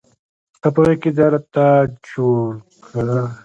ستا په غیږ کې ځای راته جوړ کړه.